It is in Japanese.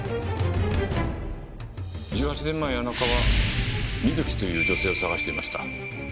１８年前谷中はミズキという女性を捜していました。